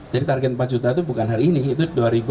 jadi target empat juta itu bukan hari ini itu dua ribu tiga puluh